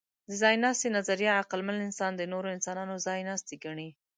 د ځایناستي نظریه عقلمن انسان د نورو انسانانو ځایناستی ګڼي.